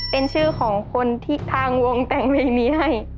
เป็นชื่อของคนที่ทางวงแต่งเพลงนี้ให้